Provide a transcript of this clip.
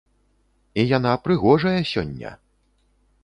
І яна прыгожая сёння!